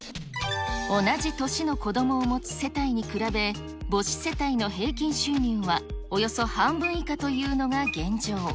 同じ年の子どもを持つ世帯に比べ、母子世帯の平均収入は、およそ半分以下というのが現状。